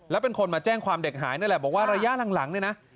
แล้วเป็นคนมาแจ้งความเด็กหายนั่นแหละบอกว่าระยะหลังเนี่ยนะ